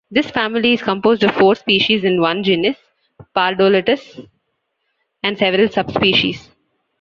This family is composed of four species in one genus, "Pardalotus", and several subspecies.